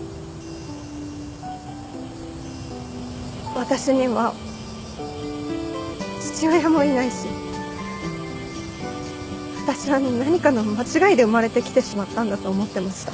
私には父親もいないし私は何かの間違いで生まれてきてしまったんだと思ってました。